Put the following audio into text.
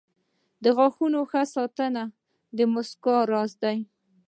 • د غاښونو ساتنه د مسکا راز دی.